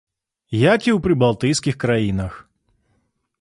Як і ў прыбалтыйскіх краінах.